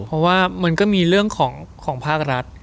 เพราะว่ามันก็มีเรื่องของภาครัฐ